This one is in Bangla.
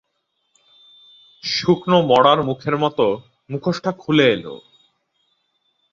শুকনো মড়ার মুখের মতো মুখোশটা খুলে এল।